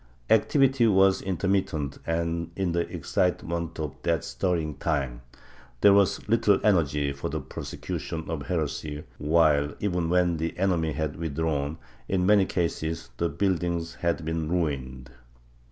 Activity was intermittent and, in the excitement of that stirring time, there was little energy for the prosecution of heresy while, even when the enemy had withdrawn, in many cases the buildings had been ruined.